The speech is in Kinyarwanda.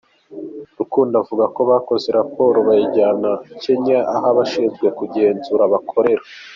Rukundo avuga ko bakoze raporo bayijyana Kenya, aho abashinzwe kugenzura bakorera.